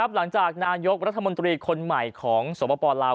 หลังจากนายกรัฐมนตรีคนใหม่ของสปลาว